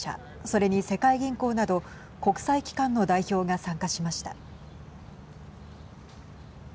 それに世界銀行など国際機関の代表が参加しました。